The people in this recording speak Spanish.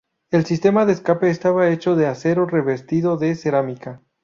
El sistema de escape estaba hecho de acero revestido de cerámica.